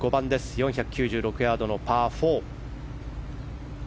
４９６ヤードのパー４。